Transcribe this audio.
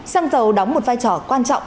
săng dầu đóng một vai trò quan trọng